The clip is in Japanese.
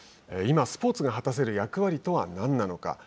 今、スポーツが果たせる役割とは何なのか。